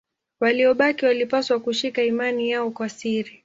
Waliobaki walipaswa kushika imani yao kwa siri.